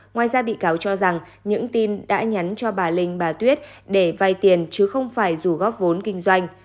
ngoài ra bị cáo cho rằng những tin đã nhắn cho bà linh bà tuyết để vay tiền chứ không phải dù góp vốn kinh doanh